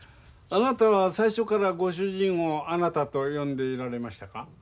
あなたは最初からご主人をあなたと呼んでいられましたか？